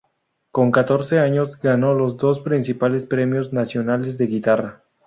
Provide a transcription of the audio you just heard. Con catorce años ganó los dos principales premios nacionales de guitarra.